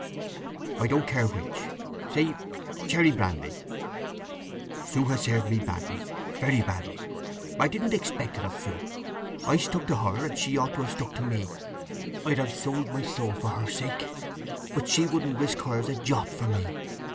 "I don't care which! Say cherry brandy… Sue has served me badly, very badly. I didn't expect it of Sue! I stuck to her, and she ought to have stuck to me. I'd have sold my soul for her sake, but she wouldn't risk hers a jot for me.